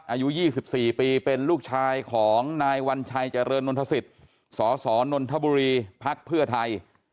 อายุ๒๔ปีเป็นลูกชายของนายวัญชัยเจริญนนทศิษย์สสนนทบุรีพักเพื่อไทย